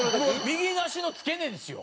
右足の付け根ですよ